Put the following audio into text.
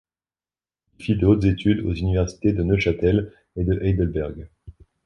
Il fit de hautes études aux universités de Neuchâtel et de Heidelberg.